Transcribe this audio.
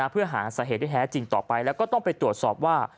เพื่อหาสาเหตุที่แท้จริงต่อไปแล้วก็ต้องไปตรวจสอบว่า